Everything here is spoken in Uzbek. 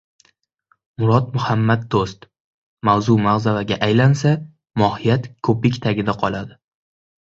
Murod Muhammad Do‘st: «Mavzu mag‘zavaga aylansa, mohiyat ko‘pik tagida qoladi...»